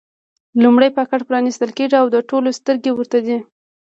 لومړی پاکټ پرانېستل کېږي او د ټولو سترګې ورته دي.